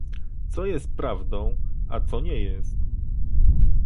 Co jest prawdą, a co nie jest